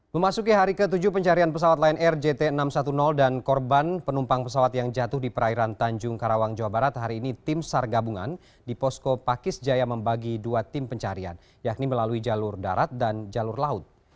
memasuki hari ke tujuh pencarian pesawat lion air jt enam ratus sepuluh dan korban penumpang pesawat yang jatuh di perairan tanjung karawang jawa barat hari ini tim sar gabungan di posko pakis jaya membagi dua tim pencarian yakni melalui jalur darat dan jalur laut